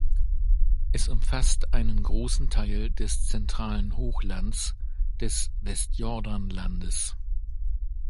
Es umfasst einen großen Teil des zentralen Hochlands des Westjordanlandes.